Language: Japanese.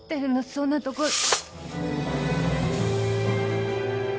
そんなとこで。